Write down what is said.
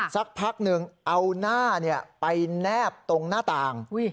สักพักหนึ่งเอาหน้าไปแนบตรงหน้าต่าง